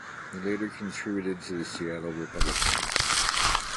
He later contributed to the Seattle Republican.